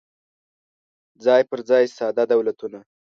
څای پر ځای ساده دولتونه